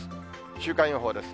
週間予報です。